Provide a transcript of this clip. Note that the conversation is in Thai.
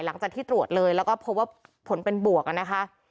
หลังจากที่ตรวจเลยแล้วก็พบว่าผลเป็นบวกนะคะ